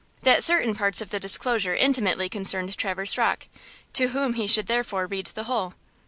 That certain parts of the disclosure intimately concerned Traverse Rocke, to whom he should therefore read the whole.